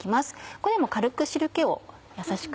ここでも軽く汁気を優しく。